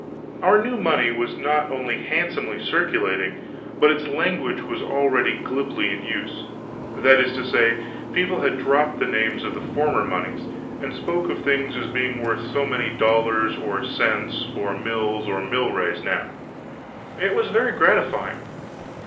Our new money was not only handsomely circulating, but its language was already glibly in use; that is to say, people had dropped the names of the former moneys, and spoke of things as being worth so many dollars or cents or mills or milrays now. It was very gratifying.